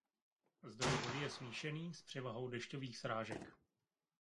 Zdroj vody je smíšený s převahou dešťových srážek.